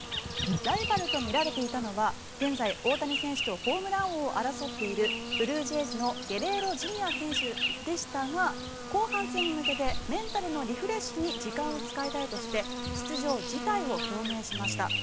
ライバルとみられていたのが現在、大谷選手とホームラン王を争っているブルージェイズのゲレーロＪｒ．選手でしたが後半戦に向けてメンタルのリフレッシュに時間を使いたいとして出場辞退を表明しました。